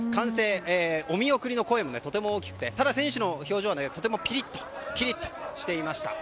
お見送りの声もとても大きくてただ選手の表情はきりっとしていました。